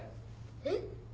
えっ？